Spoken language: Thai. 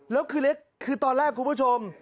แล้วคือตอนแรกคุณผู้ชม